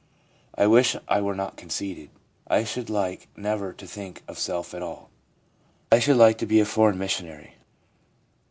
I wish I were not conceited. I should like never to think of self at all. I should like to be a foreign missionary.'